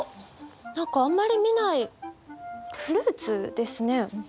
何かあんまり見ないフルーツですね。